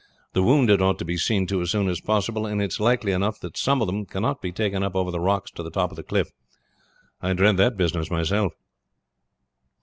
The wounded ought to be seen to as soon as possible, and it is likely enough that some of them cannot be taken up over the rocks to the top of the cliff. I dread the business myself."